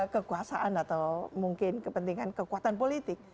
kekuasaan atau mungkin kepentingan kekuatan politik